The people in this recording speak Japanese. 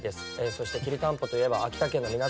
そしてきりたんぽといえば秋田県の皆さん。